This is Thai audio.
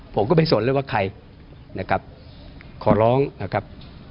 ผมก็ไม่สนเลยว่าใครนะครับขอร้องนะครับ